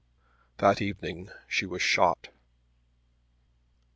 That evening she was shot.